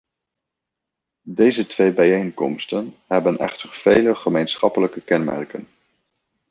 Deze twee bijeenkomsten hebben echter vele gemeenschappelijke kenmerken.